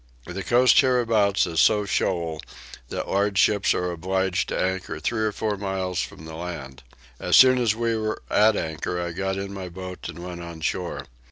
The coast hereabouts so is shoal that large ships are obliged to anchor three or four miles from the land. As soon as we were at anchor I got in my boat and went on shore.